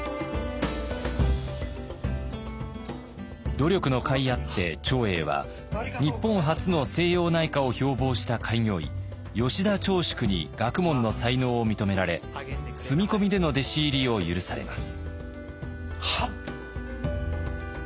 努力のかいあって長英は日本初の西洋内科を標ぼうした開業医吉田長淑に学問の才能を認められ住み込みでの弟子入りを許されます。